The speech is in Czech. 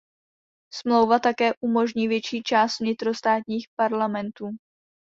Smlouva také umožní větší účast vnitrostátních parlamentů.